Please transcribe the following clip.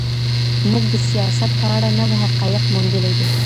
موږ د سياست په اړه نوي حقايق موندلي دي.